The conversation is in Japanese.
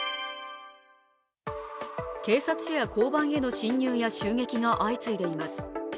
警察署や交番への侵入や襲撃が相次いでいます。